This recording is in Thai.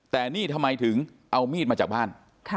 แต่นี่ทำไมถึงเอามีดมาจากบ้าน